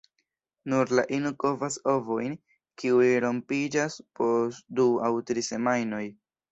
Nur la ino kovas la ovojn, kiuj rompiĝas post du aŭ tri semajnoj.